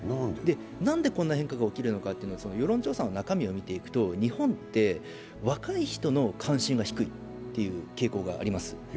なんでこんな変化が起きるのかというと世論調査の中身を見ていくと日本って若い人の関心が低いという傾向があります。